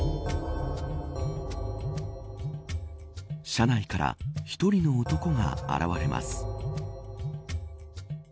車内から１人の男が現れます。